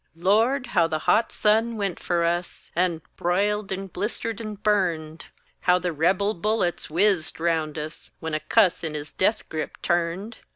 Lord! how the hot sun went for us, And br'iled and blistered and burned! How the Rebel bullets whizzed round us When a cuss in his death grip turned!